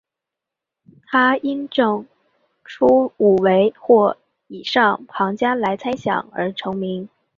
他因证出五维或以上的庞加莱猜想而成名。